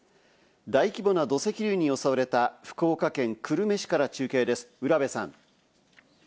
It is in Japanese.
大規模な土石流に襲われた福岡県久留米市から中継です、占部さん。